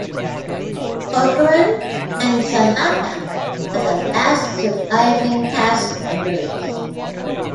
Corcoran and Salata are the last surviving cast members.